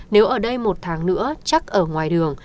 nếu ở đây một tháng nữa chắc ở ngoài đường